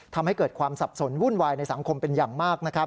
ทำให้เกิดความสับสนวุ่นวายในสังคมเป็นอย่างมากนะครับ